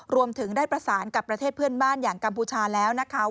รวมถึงได้ประสานกับประเทศเพื่อนบ้านอย่างกัมพูชาแล้วนะคะ